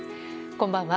こんばんは。